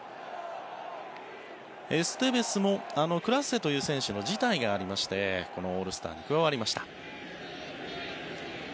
エステベスもクラセという選手の辞退がありましてこのオールスターに加わりました。